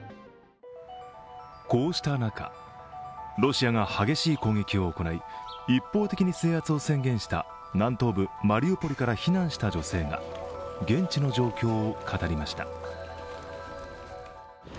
こうした中、ロシアが激しい攻撃を行い一方的に制圧を宣言した南東部マリウポリから避難した女性が現地の状況を語りました。